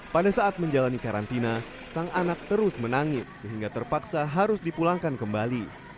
pada saat menjalani karantina sang anak terus menangis sehingga terpaksa harus dipulangkan kembali